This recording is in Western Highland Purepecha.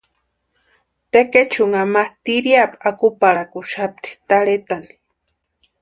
Tekechunha ma tiriapu akuparhakuxapti tarhetani.